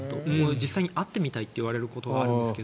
実際に会ってみたいと言われることがあるんですけど。